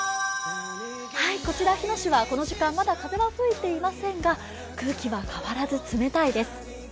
こちら、日野市はこの時間まだ風は吹いていませんが空気は変わらず冷たいです。